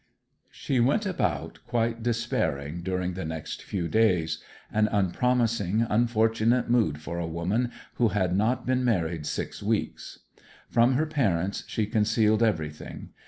She went about quite despairing during the next few days an unpromising, unfortunate mood for a woman who had not been married six weeks. From her parents she concealed everything.